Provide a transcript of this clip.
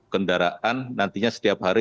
kendaraan nantinya setiap hari